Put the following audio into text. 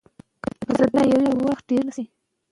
د ورزش سپارښتنه د هرو کسانو لپاره اړینه ده.